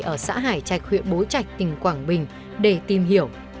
ở xã hải trạch huyện bố trạch tỉnh quảng bình để tìm hiểu